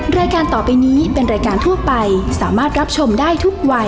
รายการต่อไปนี้เป็นรายการทั่วไปสามารถรับชมได้ทุกวัย